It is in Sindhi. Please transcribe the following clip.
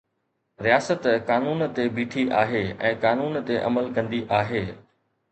رياست قانون تي بيٺي آهي ۽ قانون تي عمل ڪندي آهي.